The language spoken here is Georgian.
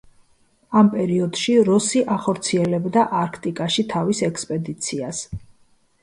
ამ პერიოდში როსი ახორციელებდა არქტიკაში თავის ექსპედიციას.